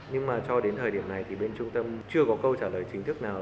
nhưng mà cho đến thời điểm này thì bên trung tâm chưa có câu trả lời chính thức nào